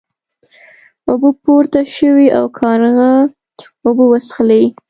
اوبه پورته شوې او کارغه اوبه وڅښلې.